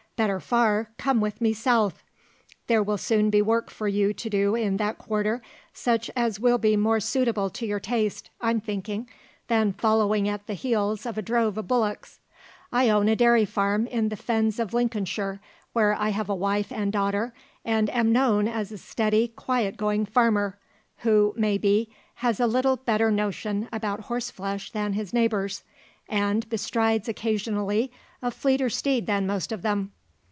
Better far come with me south. There will soon be work for you to do in that quarter, such as will be more suitable to your taste, I'm thinking, than following at the heels of a drove of bullocks. I own a dairy farm in the fens of Lincolnshire, where I have a wife and daughter, and am known as a steady, quiet going farmer, who, may be, has a little better notion about horse flesh than his neighbours, and bestrides occasionally a fleeter steed than most of them.